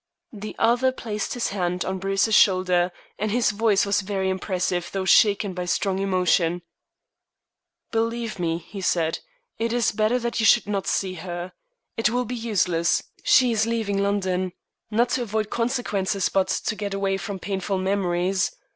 The other placed his hand on Bruce's shoulder, and his voice was very impressive, though shaken by strong emotion: "Believe me," he said, "it is better that you should not see her. It will be useless. She is leaving London, not to avoid consequences, but to get away from painful memories.